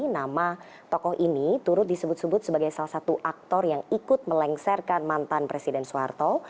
nama tokoh ini turut disebut sebut sebagai salah satu aktor yang ikut melengsarkan mantan presiden soeharto